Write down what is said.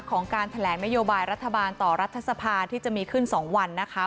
ของการแถลงนโยบายรัฐบาลต่อรัฐสภาที่จะมีขึ้น๒วันนะคะ